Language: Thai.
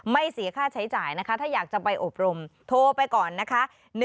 เสียค่าใช้จ่ายนะคะถ้าอยากจะไปอบรมโทรไปก่อนนะคะ